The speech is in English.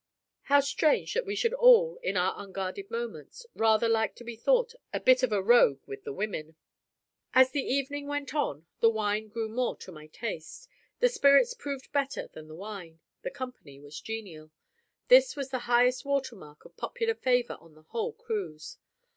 How strange that we should all, in our unguarded moments, rather like to be thought a bit of a rogue with the women! As the evening went on, the wine grew more to my taste; the spirits proved better than the wine; the company was genial. This was the highest water mark of popular favour on the whole cruise.